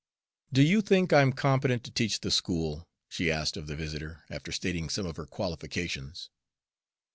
"Do you think I'm competent to teach the school?" she asked of the visitor, after stating some of her qualifications.